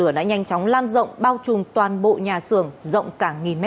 ngọn lửa nhanh chóng lan rộng bao trùm toàn bộ nhà sườn dộng cả nghìn m hai